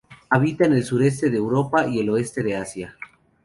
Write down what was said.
Habita en el sureste de Europa y el oeste de Asia.